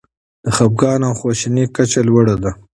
د خپګان او خواشینۍ کچه لوړه ده.